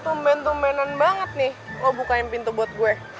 lo tumben tumbenan banget nih lo bukain pintu buat gue